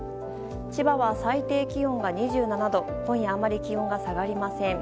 千葉は最低気温が２７度今夜、あまり気温が下がりません。